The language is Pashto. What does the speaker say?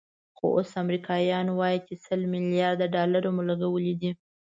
خو اوس امریکایان وایي چې سل ملیارده ډالر مو لګولي دي.